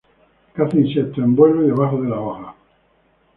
Caza insectos en vuelo y debajo de las hojas.